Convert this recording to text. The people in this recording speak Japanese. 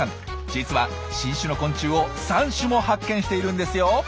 実は新種の昆虫を３種も発見しているんですよ。